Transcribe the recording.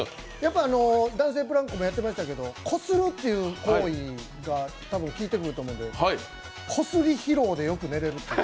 男性ブランコもやってましたけど、こするという行為が多分効いてくると思うので、こすり疲労でよく寝れるという。